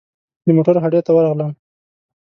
د موټرو هډې ته ورغلم.